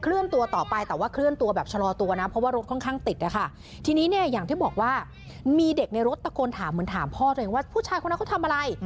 เลื่อนตัวต่อไปแต่ว่าเคลื่อนตัวแบบชะลอตัวนะเพราะว่ารถค่อนข้างติดนะคะทีนี้เนี่ยอย่างที่บอกว่ามีเด็กในรถตะโกนถามเหมือนถามพ่อตัวเองว่าผู้ชายคนนั้นเขาทำอะไร